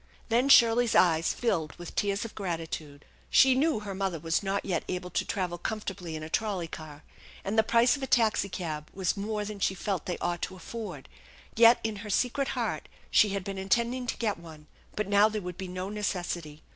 Then Shirley's eyes filled with tears of gratitude. She knew her mother was not yet able to travel comfortably in a trolley car, and the price of a taxicab was more than she felt they ought to afford; yet in her secret heart she had been intending to get one; but now there would be no necessity.